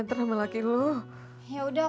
ngapain laki lo kemarin lagi